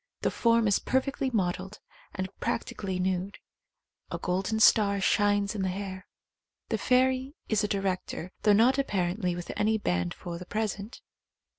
The form is perfectly modelled and practi cally nude. A golden star shines in the hair. The fairy is a director, though not appar ently with any band for the present.